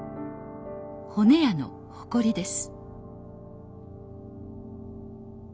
骨屋の誇りです